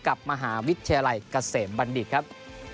กับมหาวิทยาลัยเกษมบัณฑิตครับ